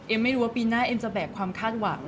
ไม่รู้ว่าปีหน้าเอ็มจะแบกความคาดหวัง